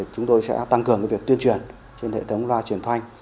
chúng tôi sẽ tăng cường việc tuyên truyền trên hệ thống loa truyền thanh